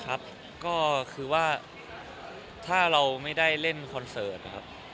ครับก็คือว่าถ้าเราไม่ได้เล่นคอนเสิร์ตนะครับ